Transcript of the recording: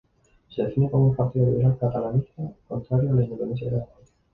Se define como un partido liberal y catalanista contrario a la independencia de Cataluña.